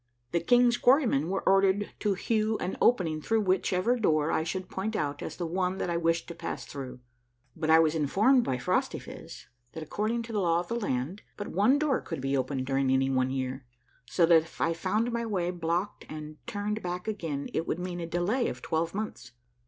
The king's quarrymen were ordered to hew an opening through whichever door I should point out as the one that I wished to pass through, but I was informed by Phrostyphiz that according to the law of the land but one door could be opened during any one j'^ear, so that if I found my way blocked and turned back again it would mean a delay of twelve months.